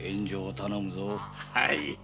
はい。